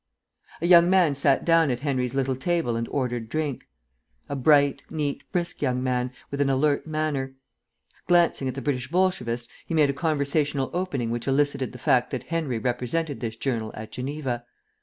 A young man sat down at Henry's little table and ordered drink; a bright, neat, brisk young man, with an alert manner. Glancing at the British Bolshevist, he made a conversational opening which elicited the fact that Henry represented this journal at Geneva.